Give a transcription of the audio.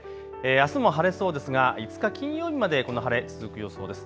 あすも晴れそうそうですが５日金曜日までこの晴れ続く予想です。